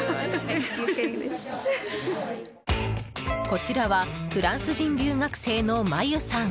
こちらはフランス人留学生のマユさん。